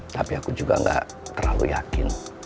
tapi aku juga gak terlalu yakin